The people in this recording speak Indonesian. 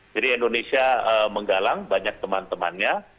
jadi indonesia menggalang banyak teman temannya